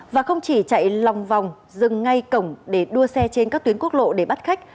và không chỉ chạy lòng vòng dừng ngay cổng để đua xe trên các tuyến quốc lộ để bắt khách